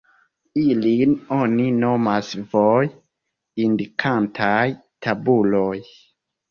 Ilin oni nomas voj-indikantaj tabuloj.